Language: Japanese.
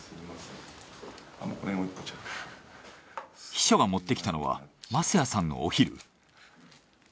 秘書が持ってきたのは舛屋さんのお昼。